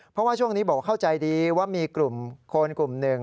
เพราะว่าช่วงนี้บอกว่าเข้าใจดีว่ามีกลุ่มคนกลุ่มหนึ่ง